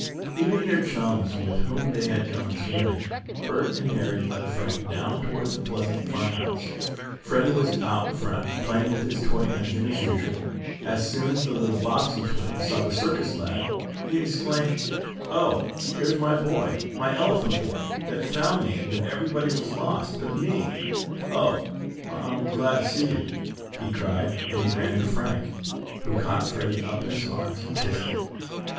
Leaving their chums with whom they had gone swimming, Bert and Harry led Frank down toward the pleasant farmhouse. Freddie was out in front, playing with his toy fire engine as usual. As soon as the little Bobbsey twin saw the circus lad, he exclaimed: "Oh, there's my boy my elephant boy that found me when everybody was lost but me. Oh, I'm glad to see you!" he cried, and he ran to Frank, who caught Freddie up in his arms, and kissed him.